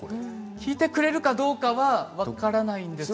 聞いてくれるかどうかは分からないんですが。